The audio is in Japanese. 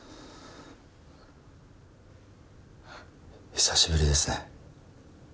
久しぶりですね。